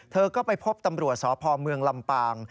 เธอก็ไปพบตำรวจสพเมืองลำปาง